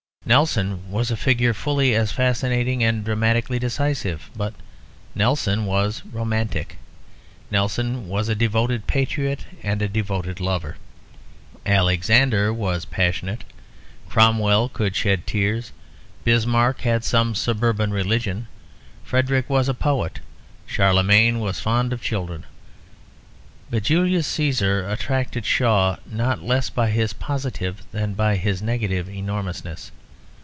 Nelson was a figure fully as fascinating and dramatically decisive; but Nelson was "romantic"; Nelson was a devoted patriot and a devoted lover. Alexander was passionate; Cromwell could shed tears; Bismarck had some suburban religion; Frederick was a poet; Charlemagne was fond of children. But Julius Cæsar attracted Shaw not less by his positive than by his negative enormousness.